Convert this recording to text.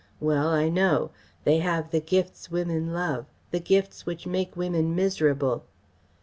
Well, I know. They have the gifts women love, the gifts which make women miserable.